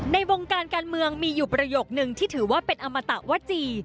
ในวงการการเมืองมีอยู่ประโยคนึงที่ถือว่าเป็นอมตะวจี